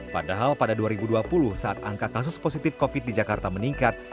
padahal pada dua ribu dua puluh saat angka kasus positif covid di jakarta meningkat